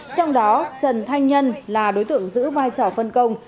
trong đó trần thanh nhân là đối tượng giữ vai trò phân công